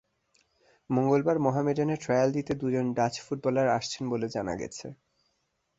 মঙ্গলবার মোহামেডানে ট্রায়াল দিতে দুজন ডাচ ফুটবলার আসছেন বলে জানা গেছে।